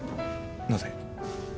なぜ？